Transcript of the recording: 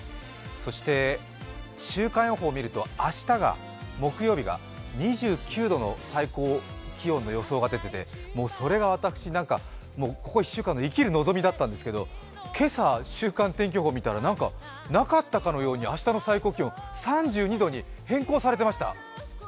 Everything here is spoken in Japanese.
そして週間予報を見ると、明日、木曜日が２９度の最高気温の予想が出ていて、それが私、なんかこの１週間の生きる望みだったんですけど、今朝、週間天気予報見たらなかったかのように、明日の最高気温３２度に変更されていました。